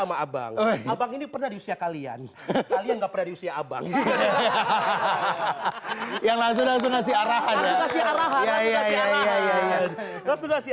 sama abang abang ini pernah diusia kalian kalian enggak produsi abang yang langsung